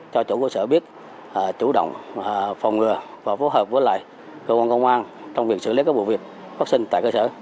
cho chủ cơ sở biết chủ động phòng ngừa và phối hợp với lại cơ quan công an trong việc xử lý các vụ việc phát sinh tại cơ sở